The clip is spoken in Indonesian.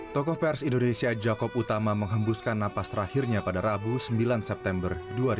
tokoh pers indonesia jakob utama menghembuskan napas terakhirnya pada rabu sembilan september dua ribu dua puluh